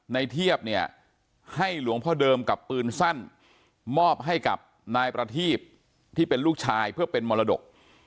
เทียบเนี่ยให้หลวงพ่อเดิมกับปืนสั้นมอบให้กับนายประทีบที่เป็นลูกชายเพื่อเป็นมรดก